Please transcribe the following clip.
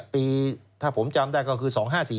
ปีถ้าผมจำได้ก็คือ๒๕๔